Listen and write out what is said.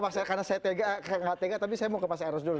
saya mau ke mas eros dulu